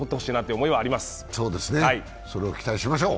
それを期待しましょう。